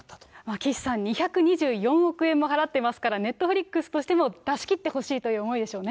岸さん、２２４億円も払ってますから、ネットフリックスとしても出し切ってほしいという思いでしょうね。